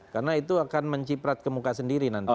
karena itu akan menciprat ke muka sendiri nanti